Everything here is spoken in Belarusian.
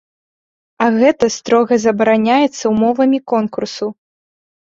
А гэта строга забараняецца ўмовамі конкурсу.